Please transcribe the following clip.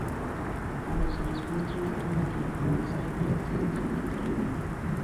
Cuando se les muestra la tumba de la condesa, Elvira accidentalmente la revive.